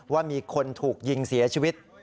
ว่ามีคนถูกยิงเสียชีวิต